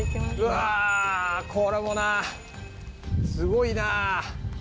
うわこれもなすごいな。